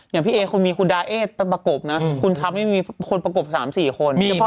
อย่างพี่เอคุณมีคุณดาเอสประกบนะคุณทำให้มีคนประกบ๓๔คน